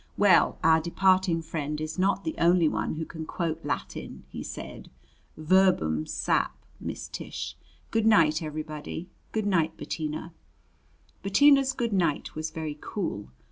"Well, our departing friend is not the only one who can quote Latin," he said. "Verbum sap., Miss Tish. Good night, everybody. Good night, Bettina." Bettina's good night was very cool.